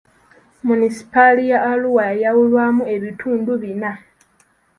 Munisipaali ya Arua yayawulwamu ebitundu bina.